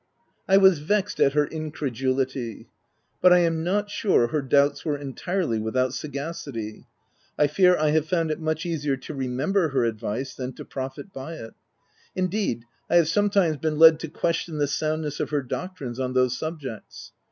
I was vexed at her incredulity ; but I am not sure her doubts were entirely without sagacity ; I fear I have found it much easier to remember her advice than to profit by it — Indeed, I have sometimes been led to question the soundness of her doctrines on those subjects.